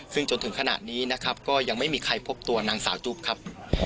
ซึ่งจนถึงขนาดนี้นะครับก็ยังไม่มีใครพบตัวนางสาวจุ๊บครับ